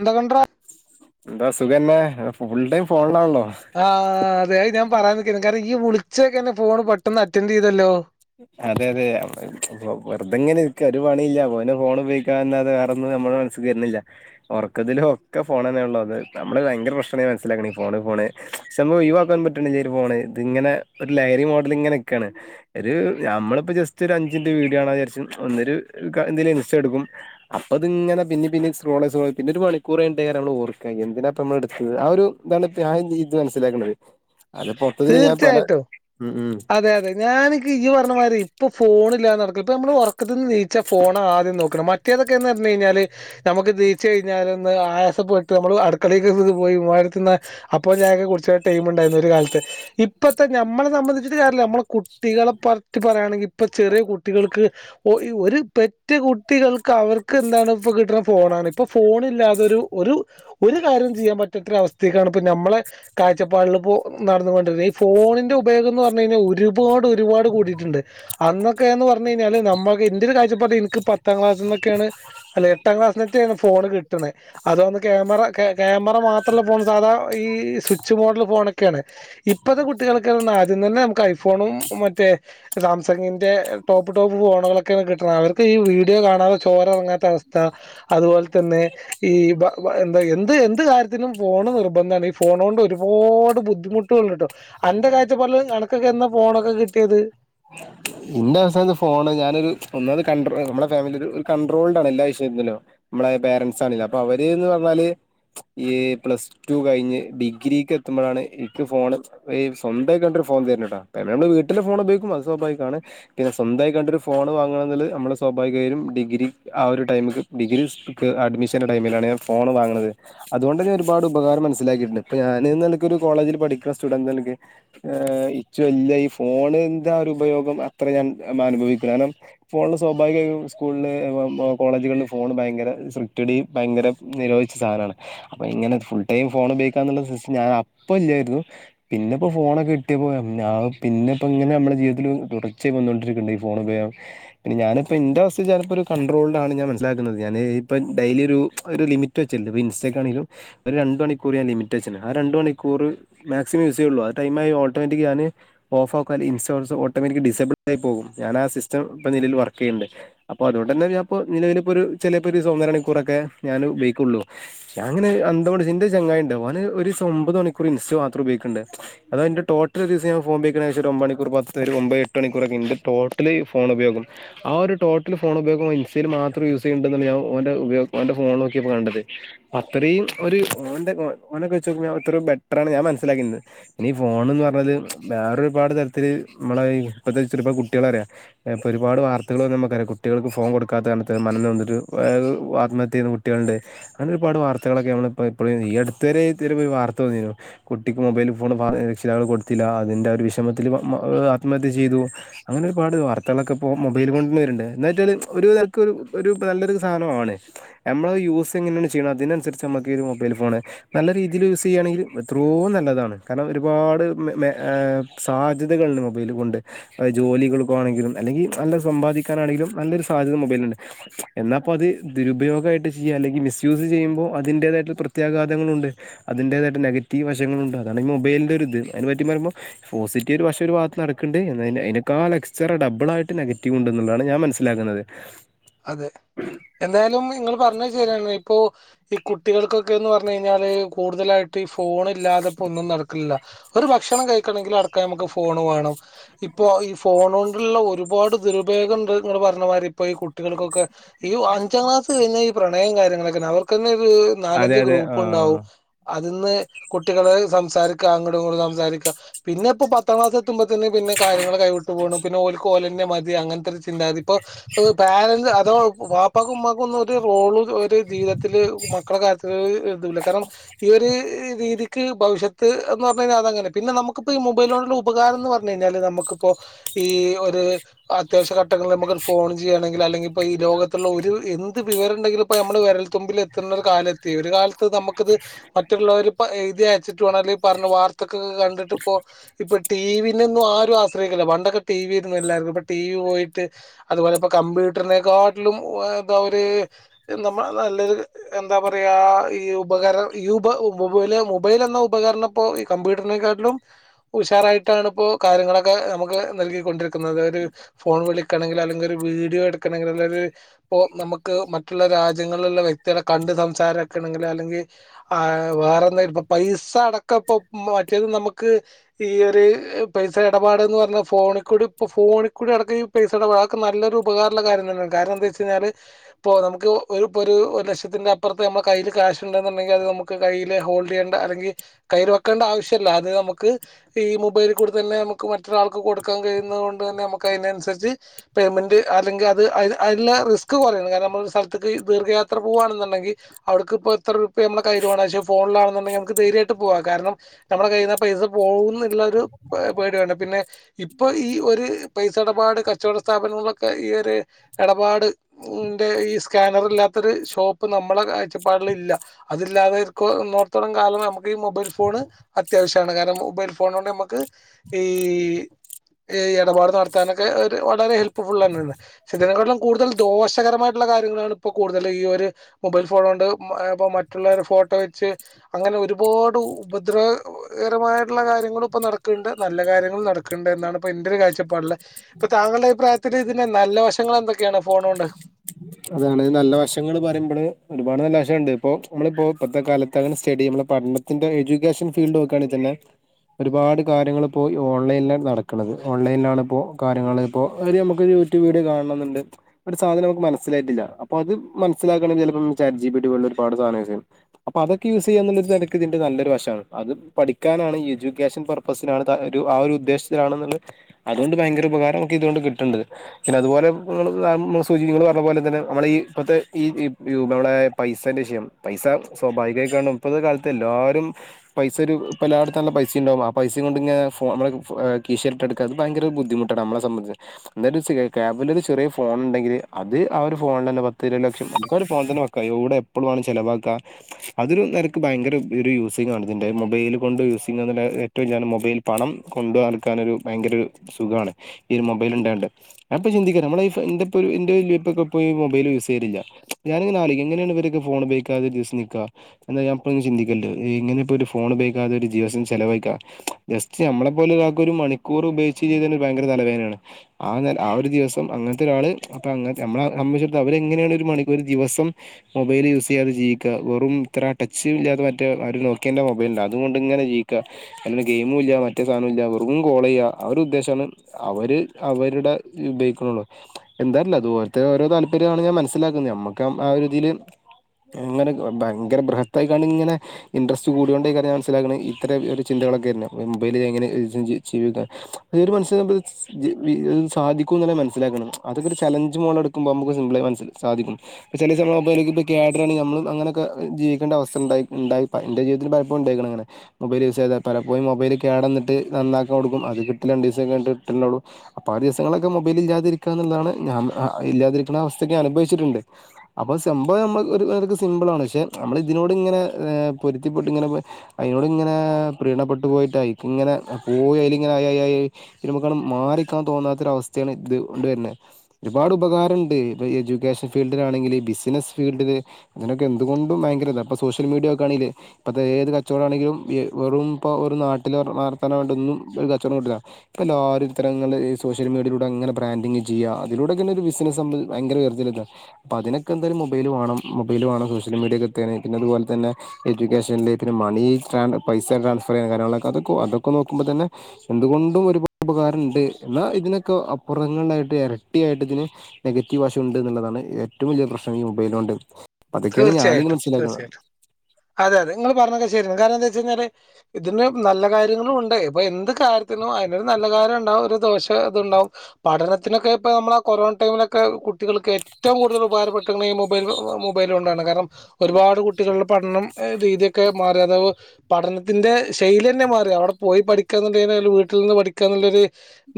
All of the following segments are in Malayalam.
എന്തക്കണ്ടറ എന്താ സുഖന്നെ ഫുൾടൈം ഫോണിലാണല്ലോ. ആഹ് അതെ ഞാൻ പറയാൻ നിക്കുന്നു കാരണം ഇയ്യ് വിളിച്ചേക്കെന്നെ ഫോണ് പെട്ടെന്ന് അറ്റൻഡ് ചെയ്തല്ലോ. അതെ അതെ വെറുതെങ്ങനെ നിക്ക ഒരു പണില്ല പിന്നെ ഫോൺ ഉപയോഗിക്കാതെ വേറന്നു നമ്മ മനസ്സ്ക്ക്ര്നില്ല ഒർക്കത്തിലൊക്കെ ഫോണെന്നെള്ളൂ, അത് നമ്മള് ഭയങ്കര പ്രശ്നം മനസ്സിലാക്കണ ഫോണ് ണ്. [unintelligible] ആക്കാനും പറ്റണ്ടില്ല ഒരു ഫോണ് ഇത് ഇങ്ങനെ ഒരു ലഹരി മോഡലിങ്ങനെക്കെണ് ഒരു നമ്മളിപ്പോ ജസ്റ്റ് ഒരു അഞ്ചിറ്റ് വീഡിയൊണാ ചാരിച് നിക്കും ന്നൊരു ന്തേലു ൻസ്റ്റാട്ക്കും അപ്പ അത്ങ്ങന പിന്നേം പിന്നേം [unintelligible] പിന്നൊരു മണിക്കൂർ കയിഞ്ഞിട്ടേക്കാരം നമ്മള് ഓർക്ക എന്തിനാപ്പൊ മ്മള് ഇടുത്തത് ആ ഒരു ഞൻ ഇത് മനസ്സിലാക്കണ്ടത് അതിപ്പോത്തത്തില് ഞാ തീർച്ചയായിട്ടും അതെ അതെ ഞാനൊക്കെ ഇയ്യ് പറഞ്ഞമാതിരി പ്പൊ ഫോണില്ലാതെ നടക്കുല പ്പൊ നമ്മള് ഒറക്ക ച്ചഫോണ ആദ്യം നോക്കണ മറ്റേതൊക്കെന്ന് പറഞ്ഞയിഞ്ഞാല് നമുക്ക് നീച്ച് കഴിഞ്ഞാൽന്ന് ആയാസപ്പെട്ട്, നമ്മ അടുക്കളേക്കൊന്ന് [unintelligible] അപ്പോംചായക്ക കുടിച്ച് ടൈയിം ണ്ടായിരുന്നു ഒരു കാലത്ത് ഇപ്പത്തെ നമ്മളെ സംബന്ധിച്ചു നമ്മെളെ കുട്ടികളെ പറ്റി പറയയാണെങ്കി ഇപ്പ ചെറിയ കുട്ടികൾക്ക് ഒര് ഒരു പെറ്റ കുട്ടികൾക്ക് അവർക്ക് എന്താണ് ഇപ്പ കിട്ടണ ഫോണാണ് ഇപ്പ ഫോണില്ലാതൊരു ഒരു ഒരു കാര്യം ചെയ്യ [unintelligible] നമ്മളെ കായ്ച്ചപാടില്പ്പൊ നടന്നോണ്ടി ഈ ഫോണിന്റെപയോഗം ഒരുപാടൊരുപാട് കൂടീട്ടുണ്ട് അന്നൊക്കെന്ന് പറഞ്ഞഴിഞ്ഞാല് നമ്മക്ക് ന്റോരു കാഴ്ച നിക്ക് പത്താം ക്ലാസ്ന്നൊക്കെണ് അല്ല ഏട്ടാം ക്‌ളാസ്സന്നോക്കേണ് ഫോണ് കിട്ടണേ അതും അന്ന് ക്യാമറ ക്ക ക്യാ മാത്രള്ള ഫോൺ സാധാ ഈ സ്വിച്ച് മോഡല് ഫോണൊക്കെണ് ഇപ്പൊത്തെ കുട്ടി ഇത് ന്നെന്നെ നമുക്ക് ഐഫോണും മറ്റേ സാംസങ്ങിന്റെ ടോപ്പ് ടോപ്പ് ഫോണുകളൊക്കെയാണ് കിട്ടുന്നത്. നമ്ക്കെ - വീഡിയോ, കാണാതെ ചോരെറങ്ങാത്ത അവസ്ഥ അതുപോലെ തന്നെ ഈ വ എന്ത് എന്ത് കാര്യത്തിലും, ഫോണ്, നിർബന്ധമാണ്, ഈ, ഫോൺ കൊണ്ട്, ഒരുപാട്, ബുദ്ധിമുട്ടുകൾ, ണ്ട്, ട്ടോ, അന്റെ, കാർ [unintelligible] അനക്കൊക്കെന്നാ, ഫോണൊക്കെ, കിട്ടിയേത് ഇന്റെ, സാ ഫോണ്, ഞാനൊരു, ഒന്നാമത്, കണ്ട്രോ, നമ്മളെ, ഫാമിലിയൊര്, ഒര്, കണ്ട്രോൾഡ് ആണ്, എല്ലാ വിഷയത്തിലും നമ്മള, പേരെന്റ്സാണേലും, അപ്പൊ, അവര്ന്ന്പറഞ്ഞാല്, ഈ, പ്ലസ്ടു കയിഞ്ഞു, ഡിഗ്രിക് ഇക്ക്, ഫോണ്, ഈ, സ്വന്തായിക്കാണ്ട്ര്, ഫോണ്, തരണ് ട്ടോ, കാരണം, മ്മള്, വീട്ടിലെ ഫോൺ ഉപയോഗിക്കും, അത്, സ്വഭാവികാണ് പിന്നെ സ്വന്തമായി കണ്ടൊരു ഫോണ് വാങ്ങണൽ നമ്മളുടെ സ്വാഭാവികമായാലും ഡിഗ്രി ആ ഒരു ടൈമക്ക ഡിഗ്രി അഡ്മിഷന്റെ ടൈമിലാണ് ഞാൻ ഫോൺ വാങ്ങുന്നത്ത് അതുകൊണ്ട് തന്നെ ഒരുപാട് ഉപകാരം മനസ്സിലാക്കിയിട്ടുണ്ട് ഇപ്പ ഞാ ന് ഒരു കോളേജിൽ പഠിക്കുന്ന സ്റ്റുഡന്റ് എന്ന നിലക്ക് ഇച്ച്വല്ലാ ഈ ഫോണിന്റെ ഒരു ഉപയോഗം അത്രയും ഞാൻ അനുഭവിക്കുന്നു കാരണം ഫോണിൽ സ്വാഭാവികമായി സ്കൂളിൽ കോളേജുകളിൽ ഫോണ് ഭയങ്കര സ്ട്രക്റ്റിലി ഭയങ്കര നിരോധിച്ച സാധനമാണ് അപ്പൊ ഇങ്ങനെ ഫുൾ ടൈം ഫോൺ ഉപയോഗിക്കാ എന്നുള്ള സിസ്റ്റം ഞാ ഇപ്പ ഇല്ലായിരുന്നു പിന്നെ ഇപ്പോ ഫോണൊക്കെ കിട്ടിയപ്പോ ആ പിന്നെപ്പോ ഇങ്ങനെ നമ്മളെ ജീവിതത്തിൽ [unintelligible] ഈ ഫോൺ ഉപയോഗം പിന്നെ ഞാനിപ്പ [unintelligible] കുറച്ച് ഒരു കണ്ടട്രോളിലാണ് ഞാൻ ഇപ്പോ മനസ്സിലാക്കുന്നത്. ഇപ്പ ഡെയിലി ഒരു ലിമിറ്റ് വെച്ചിട്ടി ണ്ട് ഇപ്പോ ഇൻസ്റ്റ ഒക്കെ ആണങ്കിലും ഒരു രണ്ട് മണിക്കൂർ ഞാൻ ലിമിറ്റ് വെച്ച ആ രണ്ട് മണിക്കൂർ മണിക്കൂർ മാക്സിമം യൂസ് ചെയുള്ളൂ ആ ടൈം ആയാൽ ഓട്ടോമാറ്റിക് ഞാന് ഓഫ് ആക്കും ഓട്ടോമാറ്റിക്കലി ഡിസ്ഏബിൾ ആക്കും [unintelligible] യി പോകും ഞാൻ ആ സിസ്റ്റം ഇപ്പം നിലവിൽ വർക്ക് ചെയ്ണ്ട് അപ്പോ അതുകൊണ്ട് [unintelligible] ഒന്നര മണിക്കൂറൊക്കെ ഞാന് ഉപയോഗിക്കുള്ളൂ ഞാനിങ്ങനെ അന്തം ഇന്റെരു ചങ്ങായി ഇണ്ട് ഓന് ഒരീസം ഒമ്പത് മണിക്കൂർ ഇൻസ്റ്റ മാത്ര ഉപോഗിക്കണ്ട് അതായതിന്റെ ടോട്ടൽ ഫോൺ ഉപയോഗിക്കുന്നത് ഒമ്പത് റ്റു പത്ത് [unintelligible] മണിക്കൂറെ ഇന്റെ ടോട്ടൽ ഫോൺ ഉപയോഗം ആ ഒരു ടോട്ടൽ ഫോൺ ഉപയോഗം ഓന് ഇൻസ്റ്റയിൽ മാത്രം യൂസ് ചെയ്യ ഓന്റെ ഉപയോഗം ഓന്റെ ഫോൺ നോക്കിയപ്പോ കണ്ടത് അത്തറിം ഒരു [unintelligible] ബെറ്ററാണ് ഞാൻ മനസ്സിലാക്കുന്നത് ഇനി ഫോൺന്ന് പറഞ്ഞത് വേറെ ഒരുപാട് തരത്തിൽ നമ്മളെ ഇപ്പോെ കുട്ടികൾറിയ ഇപ്പൊ ഒരുപാട് വാർകൾ നമുക്കറിയാം കുട്ടികൾക്ക് ഫോൺ കൊടുക്കാത്ത [unintelligible] ആത്മഹത്യ ചെയ്യുന്ന കുട്ടികളണ്ട് അങ്ങനെ ഒരുപാട് വാർത്തകളൊക്കെ നമ്മളിപ്പോ ഇപ്പോഴും ഈ അടുത്ത വരെ വാർത്ത [unintelligible] കുട്ടിക്ക് മൊബൈൽ ഫോൺ രക്ഷിതാവ് കൊടുത്തില്ല അതിന്റെ ഒരു വിഷമത്തില് ഒരു ആ ചെയ്തു അങ്ങനെ ഒരുപാട് വാർത്തകളൊക്കെ ഇപ്പൊ മൊബൈൽ കൊണ്ട് വരണ്ട് എന്നാ ഒരു തലക്കെ സാധനാണ് നമ്മള് യൂസ് എങ്ങനെയാണ് ചെയ്യ അതിനനുസരിച്ച് നമു ക്ക് ഒരു മൊബൈൽ ഫോണ് നല്ല രീതി ചെയ്യാണെങ്കില് എത്രയോ നല്ലതാണ് കാരണം ഒരുപാട് മേ സാധ്യതകള്ണ്ട് മൊബൈല് കൊണ്ട ജോലി കൊടുക്കുകവാണെങ്കിലും അല്ലെങ്കിൽ നല്ല സമ്പാദിക്കാനാണെങ്കിലും നല്ലൊരു സാധ്യത മൊബൈലുണ്ട് എന്ന അപ്പോ അത് ദുരുപയോഗമായിട്ട് ചെയ്യുക അല്ലെങ്കിൽ മിസ്യൂസ് ചെയ്യുമ്പോ അതിന്റേതായിട്ടുള്ള പ്രത്യാഘാതങ്ങളൂണ്ട് അതിന്റെ അത് നെഗറ്റീവ് വശങ്ങളുണ്ട് അതാണ് മൊബൈലിന്റെ ഒരു ഇ അതിനെ പറ്റി പറയുമ്പോ പോസിറ്റീവ് വശം ഒരു ഭാഗത്ത് നടക്ക [unintelligible] ഡബിൾ ആയിട്ട് നെഗറ്റീവ് ഉണ്ട എന്നുള്ളതാണ് ഞാൻ മനസ്സിലാക്കുന്നത്. അതെ എന്തായാലും ങ്ങള് പറഞ്ഞത് ശരിയാണ് ഇപ്പോ ഈ കുട്ടികൾക്കൊക്കെന്ന് പറഞ്ഞഴിഞ്ഞാല് കൂടുതലായിട്ട് ഈ ഫോൺ ഇല്ലാതപ്പോ ഒന്നും നടക്ക്ണില്ല ഒരു ഭക്ഷണം കഴിക്കണമെങ്കിൽ അടക്കം നമുക്ക് ഫോൺ വേണം. ഇപ്പൊ ഈ ഫോൺ കൊണ്ടുള്ള ഒരുപാട് ദുരുപയോഗം ഉണ്ട് ഇങ്ങള് പറഞ്ഞമാരി ഇപ്പോ ഈ കുട്ട കുട്ടികൾക്കൊക്കെ ഈ അഞ്ചാം ക്ലാസ് കഴിഞ്ഞ ഈ പ്രണയോ കാര്യങ്ങളൊക്കെയ അവർക്കെന്നെ അതെ നാലഞ്ച് അതെ ആ ഗ്രൂപ്പ്ണ്ടാവും അ അതിന്ന് കുട്ടികളെ സംസാരിക്ക അങ്ങോട്ടും ഇങ്ങോട്ടും സംസാരിക്കുക പിന്നെ ഇപ്പോ പത്താം ക്ലാസ് കിട്ടുമ്പോ തന്നെ പിന്നെ കാര്യങ്ങൾ കൈവിട്ട് പോകു പിന്നെ ഓൽക്ക് ഓലെന്ന മതി അങ്ങനത്തെ ഒരു ചിന്താഗതി ആ അഥോ വാപ്പക്ക് ഉമ്മാക്കും ഒ ഒരു റോള് ഒരു ജീവിതത്തില് മക്കളെ കാര്യത്തി ഇ കാരണം ഈ ഒരു രീതിക്ക് ഭവിഷ്യത്ത് എന്ന് പറഞ്ഞ കഴിഞ്ഞാൽ അതങ്ങനെ പിന്നെ നമുക്കി ഈ മൊ മൊബൈൽ ഉ ഉപകാരങ്ങൾ എന്ന് പറഞ്ഞാല് നമ്മുക്ക് ഇപ്പൊ ഈ ഒരു അത്യാവശ്യ ഘട്ടങ്ങളിൽ നമ്മുക്ക് ഒരു ഫോൺ അല്ലെങ്കിൽ ഇപ്പോ ഇലോകത്തുള്ള ഒരു എന്ത് വിവരമണ്ടെങ്കില ഇപ്പോ നമ്മള് വിരൽ തുമ്പിൽ എത്തുന്ന ഒരു കാല എത്തി ഒരു കാലത്ത് നമുക്കിത് മറ്റുള്ളവർ പ്പൊ എഴുതി അയച്ചിട്ടു വേണം അല്ലെങ്കിൽ പറഞ്ഞ വാർത്ത കണ്ടിട്ടിപ്പോ ഇപ്പോ ടി വി നൊന്നും ആരും ആശ്രയിക്കില്ല പണ്ടൊക്കെ ടി വിയിരുന്നു എല്ലാരും ഇപ്പൊ ടി വി പോയിട്ട് അതുപോലെപ്പോ കമ്പ്യൂട്ടറിനെക്കാട്ടിലും എന്താ ഒരു എന്ത നല്ലൊരു എന്താ പറയാ ഈ ഉപകര ബൈ മൊബൈൽ എന്ന ഉപകരണ ഇപ്പോ ഈ കമ്പ്യൂട്ടറിനെക്കാട്ടിലും ഉഷാറായിട്ടാണ് ഇപ്പോ കാര്യങ്ങളൊക്കെ നമുക്ക് നൽകിക്കൊണ്ടിരിക്കുന്നത് ഒരു ഫോൺ വിളിക്കണെങ്കിൽ അല്ലെങ്കിൽ ഒരു വീഡിയോ എടുക്കണെങ്കിൽ ഇപ്പോ നമുക്ക് മറ്റുള്ള രാജ്യങ്ങളിലുള്ള വ്യക്തികളെ കണ്ട് സംസാരിക്ക അല്ലെങ്കിൽ [unintelligible] അടക്കം ഇപ്പം മറ്റേത് നമുക്ക് ഈയൊരു പൈസ ഇടപാട് എന്ന് പറഞ്ഞൽ ഫോണിൽ കൂടി ഇപ്പൊ ഫോണിൽ കൂടി പൈസ ഇടപാട് അതൊക്കെ നല്ല ഉപകാരല്ല കാര്യം തന്നെ കാരണം ന്താ ചോയ്ച്ച് കയിഞ്ഞാല് ഇപ്പോ നമുക്ക് ഒരു ഒരു ലക്ഷത്തിന്റെ അപ്പർത്ത് നമ്മളെ കയ്യില് ക്യാഷ് ഉണ്ട്ന്നുണ്ടെങ്കില് അത് നമുക്ക് കയ്യില് ഹോൾഡ് ചെയ്യേണ്ട അല്ലെങ്കി കയ്യില് വെക്കേണ്ട ആവശ്യല്ല അത് നമുക്ക് ഈ മൊബൈൽ കൂടി തന്നെ നമുക്ക് മറ്റൊരാൾക്ക് കൊടുക്കാൻ കഴിയുന്നത് കൊണ്ട് തന്നെ നമുക്ക് അയ്നനുസരിച്ച് പേയ്മെന്റ് അല്ലെങ്കി അത് അ അയ്ല്ള്ള റിസ്ക് കോറെണ് കാരണം നമ്മള് ഒരു സ്ഥൽത്ത്ക്ക് ദീർഘയാത്ര പോകാണ് ന്ന്ണ്ടെങ്കി അവിട്ക്ക് ഇപ്പോ എത്ര ഉർപ്യ നമ്മടെ കയ്യില് വേണെചാ ഫോണിലാണെന്നുണ്ടെങ്കി നമുക്ക് ധൈര്യായിട്ട് പോവാ കാരണം നമ്മടെ കയ്യിന്ന് ആ പൈസ പോവ്ന്ന പ്പള്ളോരു പേടിയോണ്ട പിന്നെ ഇപ്പൊ ഈ ഒരു പൈസ ഇടപാട് കച്ചോട സ്ഥാപനങ്ങള് ഈ ഒര് എടപാട് ന്റെ ഈ സ്കാനറ് ഇല്ലാത്തോരു ഷോപ്പ് നമ്മെളെ കാഴ്ചപ്പാട് ഇല്ല അത് ഇല്ലാതെ [unintelligible] കാലം നമുക്ക് ഈ മൊബൈൽ ഫോണ് അത്യാവശ്യാണ് കാരണം മൊബൈൽ ഫോ ഫോണോണ്ട് അമ്മക്ക് ഈ എടപാട് നടത്താനൊക്കെ ഒരു വളരെ ഹെൽ [unintelligible] ഇതിനെ കാട്ടിലും കൂടുതൽ ദോഷകരമായിട്ടുള്ള കാര്യങ്ങളാണ് ഇപ്പോ കൂടുതൽ ഈ ഒരു മൊബൈൽ ഫോണോ മറ്റുള്ളവരുടെ ഫോട്ടോ വെച്ച് അങ്ങനെ ഒരുപാട് ഉപദ്രവ കരമായി കാര്യങ്ങളും ഇപ്പ നടക്ണ്ട് നല്ല കാര്യങ്ങളും നടക്ണ്ട് എന്നാണ് ഇന്റെ ഒരു കാഴ്ചപ്പാടില് ഇപ്പ താങ്കളുടെ അഭിപ്രായ ഇത്തിരി ഇതിൻ്റെ നല്ല വശങ്ങൾ എന്തൊക്കെയാണ് ഫോണോണ്ട്? അതാണ് നല്ല വശങ്ങള് പറയുമ്പള് ഒരുപാട് നല്ല വശണ്ട്, ഇപ്പോ നമ്മളിപ്പോ ഇപ്പഴത്തെ കാലത്ത് അങ്ങനെ സ്റ്റേഡിമ പഠനത്തിന്റെ എഡ്യൂക്കേഷൻ ഫീൽഡ് നോക്കാണെങ്കി തന്നെ ഒരുപാട് കാര്യങ്ങൾ ഇപ്പോ ഓൺലൈൻലാണ് നടക്കണത്, ഓൺലൈൻലാണ് ഇപ്പോ കാര്യങ്ങള് ഇപ്പോ അവര് നമുക്കൊരു യൂട്യൂബ് വീഡിയോ കാണണന്നുണ്ടെ ഒരു സാധനം നമുക്ക് മനസ്സി മനസിലായിട്ടില്ല അപ്പൊ അത് മനസ്സിലാക്കണെങ്കി ചെലപ്പോ ചാറ്റ് ജിപിടി പോലുള്ള ഒരുപാട് സാധനം യൂസ് ചെയ്യണം, അപ്പോ അതൊക്കെ യൂസ് ചെയ്യാന്നു [unintelligible] ഇതിന്റെ നല്ലൊരു വശാണ്, അത് പഠിക്കാനാണ് ഈ എജ്യൂക്കേഷൻ പർപ്പസിനാണ് ആ ഒരു ഉദ്ദേശത്തിലാണ് [unintelligible] അതോണ്ട് ഭയങ്കര ഉപകാരം നമുക്ക് ഇതൊണ്ട് കിട്ടണ്ട് പിന്നെ അതുപോലെ ഇങ്ങള് [unintelligible] സൂചി പറഞ്ഞ പോലെ തന്നെ നമ്മള ഈ ഇപ്പഴത്തെ ഈ ഈ ഈ നമ്മളെ പൈസേന്റെ വിഷയം പൈസ സ്വാഭാവികായിക്ക [unintelligible] ഇപ്പ ത്തെ കാലത്തെല്ലാരും പൈസ ഒരു ഇപ്പൊ എല്ലായിടത്തും നല്ല പൈസേണ്ടാവും, ആ പൈസേ കൊണ്ടിങ്ങനെ ഫോൺ നമ്മടെ ഫോ കീ ഷെയർ ഇട്ട് എടുക്കാ അത് ഭയങ്കര ഒരു ബുദ്ധിമുട്ടാണ് നമ്മളെ സംബന്ധിച്ച് എന്തായാലും ക്യാബില് ഒരു ചെറിയ ഫോൺ ഉണ്ടെങ്കില് അത് ആ ഒരു ഫോണിന് തന്നെ പത്ത് ഇരുപത് ലക്ഷം, നമുക്ക് ഒരു ഫോൺ തന്നെ വെക്കാ എവടെ എപ്പളും വാണേ ചെലവാക്കാ അതൊരു എല്ലാർക്കും ഭയങ്കര ഒരു യൂസിങ്ങാണ് ഇതിൻ്റെ, മൊബൈല് കൊണ്ട് യൂസിങ്ങാന്നിള്ള ഏറ്റവും [unintelligible] മൊബൈൽ പണം കൊണ്ടാ കൊണ്ടടക്കാനൊരു ഭയങ്കരൊരു സുഖാണ്, ഈ ഒരു മൊബൈല് ഉണ്ടായോണ്ട്, ഞാനിപ്പോ ചിന്തിക്കായിരുന്നു നമ്മള് ഈ ഇൻ്റെ ഇപ്പോരു ഇൻ ഇൻ്റെ വല്യ ഉപ്പൊക്കെ ഇപ്പൊ ഈ മൊബൈല് യൂസ് ചെയ്യലില്ല ഞാൻ ഇങ്ങനെ ആലോചിക്കും, എങ്ങനെയാണ് ഇവരൊക്കെ ഫോൺ ഉപയോഗിക്കാതെ ജസ് നിക്കാ? എന്നാ ഞാൻ എപ്പഴും ചിന്തിക്കലിണ്ട്, ഇങ്ങനെ ഇപ്പോ ഒരു ഫോൺ ഉപയോഗിക്കാതെ ഒരു ദിവസം ചിലവഴിക്കാ ജസ്റ്റ് നമ്മളെപ്പോലെ ഒരു ആ ക്ക് ഒരു മണിക്കൂറ് ഉപയോഗിച്ചില്ലെങ്കി തന്നെ ഒരു ഭയങ്കര തല വേദനയാണ് ആഹ് ആഹ് ഒരു ദിവസം അങ്ങനത്തെ ഒരാള് അപ്പൊ അങ്ങനെ നമ്മളെ സംബന്ധിച്ചിടത്ത് അവര് എങ്ങനെയാണ് ഒരു മണിക്കൂറ് ഒരു ദിവസം മൊബൈല് യൂസ് ചെയ്യാതെ ജീവിക്കാ, വെറും ഇത്ര ടച്ചും ഇല്യാതേ മറ്റേ ഒരു നോക്കിയേൻ്റെ മൊബൈലിണ്ട്, അതുകൊണ്ട് ഇങ്ങനെ ജീവിക്കാ, അല്ലാണ്ട് ഗെയിമും ഇല്യ മറ്റേ സാധനോം ഇല്യ വെറും കോളെയ്യാ ആഹ് ഒരു ഉദ്ദേശാണ് അവര് അവരുടെ ഉപയോഗിക്കുണുള്ളൂ. എന്താറിയില്ല അത് പോലത്തെ ഓരോ താല്പര്യാണ് ഞാൻ മനസ്സിലാക്കുന്നേ നമുക്ക് ആ ഒരു രീതിയില് അങ്ങനെ ഭയങ്കര ബൃഹത്തായി കാണ്ട് ഇങ്ങനെ ഇൻട്രസ്റ്റ് കൂടിയോണ്ട് ഈ കാര്യം ഞാൻ മനസ്സിലാക്ക്ണ് ഇത്ര ഒരു ചിന്ത [unintelligible] സാധിക്കുന്നു മനസിലാക്കണം അതൊക്കൊരു ചലഞ്ച് പോലെ എടുക്കുമ്പോ നമുക്ക് സിമ്പിളായി മനസിൽ സാധിക്കും, ഇപ്പൊ ചില [unintelligible] മൊബൈലൊക്കെ ഇപ്പൊ കേട [unintelligible] നമ്മള് അങ്ങനൊക്കെ ജീവിക്കേണ്ട അവസ്ഥണ്ടയ്ണ്ടായിപ്പ എന്റെ ജീവിതത്തിൽ പലപ്പ ഉണ്ടയ്കൺ അങ്ങന്നെ മൊബൈൽ യൂസ് ചെയ്ത പലപ്പോഴും മൊബൈലക്കയാണ് നന്നിട്ട് നന്നാക്കകൊടുകും അത് കിട്ടില്ല രണ്ടീസും [unintelligible] അപ്പ ആദിസങ്ങളക്കെ മൊബൈലില്ലാതി ക്കാന്നുള്ളതാണ് ഞാൻ ഇല്ലാതിരിക്കുന്ന അവസ്ഥക്ക ന അനുഭവിച്ചിട്ടുണ്ട് അപ്പൊ സംബോ നമ്മ ഒരു [unintelligible] സിം പ്ലാന് ക്ഷെ നമ്മള ഇതിനോട് ഇങ്ങനെ പൊരുത്തിപ്പെട്ട് ഇങ്ങനെ അതിനോട് ഇങ്ങനെ പ്രീണപ്പെട്ട് പോയിട്ട് ബൈക്കിങ്ങനെ പോയി അയിലിങ്ങനെ ആയി ആയി ആയി ഇരുമുക്കളം മാറിക്കാൻ തോന്നാത്തൊര അവസ്ഥയാണ് ഇത് കൊണ്ട്വരന്നെ ഒരുപാട് ഉപകാര്ണ്ട് ഇപ്പ എഡ്യൂക്കേഷൻ ഫീൽഡിൽ ആണെങ്കിൽ ബിസിനസ്സ് ഫീൽഡില് അങ്ങ് [unintelligible] എന്തുകൊണ്ടും ഭയങ്കരിത പ്പ സോഷ്യൽ മീഡിയൊക്കെ ആണെല് ഇപത്തെ ഏത് കച്ചോടാണെങ്കിലും വെറും പ്പ ഒർ ന നാട്ടിൽർ മാർത്താനണ്ടന്നും ഒരു കച്ചോടട്ടില്ല ഇപ്പോ എല്ലാരും ഇത്തരങ്ങള് ഈ സോഷ്യൽ മീഡിയലൂടെ അങ്ങന ബ്രാൻഡിങ്ങ് ചെയ്യ അതിലൂടെെ ഒരു ബിസിനസ് [unintelligible] ഭയങ്കര ഉയർചെല്ത്ത അതിനൊക്കെന്താലും മൊബൈല് വാണം മൊബൈ ല് വാണം സോശ്യൽമീഡിയക്കക്കെന്നെ പിന്നത്പോൽതന്നെ എ്ജ്യൂക്കേഷനിലെക്കിനു മണി ട്രാൻ പൈസ ട്രാസ്ഫർ [unintelligible] [unintelligible] അതൊക്കെ നോക്കുമ്പോ തന്നെ എന്തുകൊണ്ടും ഒരു ഉപകാരം ഉണ്ട് എന്ന ഇതിനെക്കെ അപ് അപ്പുറങ്ങള്ലാട്ട് ഇരട്ടിയായിട്ട് ഇതിന് നെഗറ്റീവഷോണ്ട്ന്നുള്ളതാണ് ഏറ്റോം വല്യ പ്രശ്നം ഈ മൊബൈലോണ്ട് തീർച്ചയായിട്ടും തീർച്ചയായിട്ടും അതെ അതെ ങ്ങൾ പറഞ്ഞക്കെ ശരി കാർണന്ന [unintelligible] ഇതിന് നല്ല കാര്യങ്ങളുണ്ടെ ഇപ്പൊ എന്ത് കാര്യത്തിനും അനൊരു നല്ല കാരോണ്ടാവും ഒരു ദോഷ [unintelligible] ഇത്ണ്ടാവും പഠനത്തിനൊക്കെ പ്പ നമ്മള ആ കൊറോൺ റ്റയ്മിലൊക്കെ കുട്ടികൾക്ക് ഏറ്റോം കൂടുതൽ ഉപകാരപ്പെട്ക്കണെ മൊബൈൽ മൊ മൊബൈല് കൊണ്ടാണ് കാർണം ഒരുപാട് കുട്ടികൾ പഠനം രീതിയൊക്കെ മാറി അത പഠനത്തിന്റെ ശൈലിന്നെ മാറിയവിടെ പോയി പഠിക്കാന്ന് [unintelligible] വീട്ടിൽ നിന്ന് പഠിക്കാ എന്നുള്ളോരു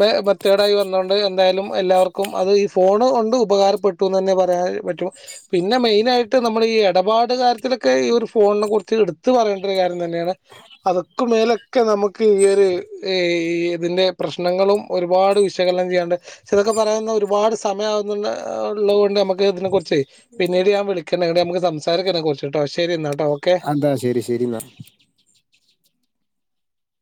മേ മെത്തേഡ് ആയി വന്നൊ ണ്ട് എന്തായാലും എല്ലാവർക്കും അത്ഈ ഫോണ് കൊണ്ട് ഉപകാരപ്പെട്ടുന്നന്നെ പറയാൻ പറ്റും പിന്നെ മെയി നായിട്ട് നമ്മള് ഈ എടപാട് കാര്യത്തിലെക്കെ ഈ ഒരു ഫോൺനെ കുറിച്ച് എടുത്ത്പറയേണ്ട ഒരു കാര്യം തന്നെയാണ് അതൊ ക്കുമേലക്കെ നമുക്ക് ഈ ഒരു ഈതിന്റെ പ്രശ്നങ്ങളും ഒരുപാട് വിശകലനം ചെയ്യ ചെലതൊക്കെ പറയന്ന ഒരുപാട് സമയം ആവുന്നുള്ള ഒള്ളകൊണ്ട് നമുക്ക് ഇതിനെ കുറച്ചേ പിന്നീട് ഞാൻ വിളി ക്കണ് ണിട്ട് നമക്ക് സംസാരി [unintelligible] ക്കെറച്ചിട്ടോ ശരി എന്നാ കേട്ടോ ഓക്കെ അതാ ശരി ശരിന്നാ